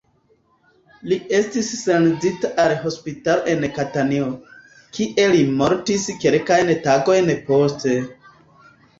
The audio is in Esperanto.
Li estis sendita al hospitalo en Katanio, kie li mortis kelkajn tagojn poste.